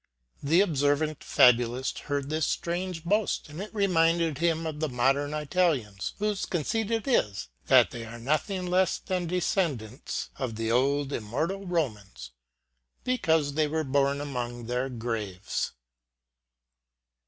The ob servant fabulist heard this strange boast, and it reminded him of the modern Italians, whose conceit it is that they are noth ing less than descendants of the old immortal Romans, because they were bom among their graves.